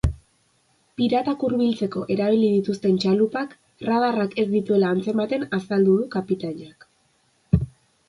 Piratak hurbiltzeko erabili dituzten txalupak radarrak ez dituela atzematen azaldu du kapitainak.